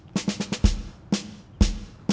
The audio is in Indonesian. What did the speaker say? jadi sekarang mamun disini